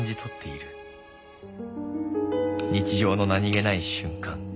「日常の何気ない瞬間」